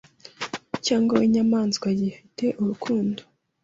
cyangwa w’inyamaswa gifite urukonda